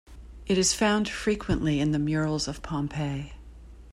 It is found frequently in the murals of Pompeii.